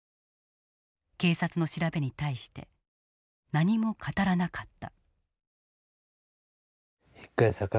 警察の調べに対して何も語らなかった。